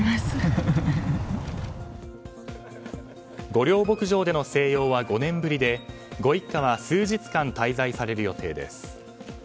御料牧場での静養は５年ぶりでご一家は数日間滞在される予定です。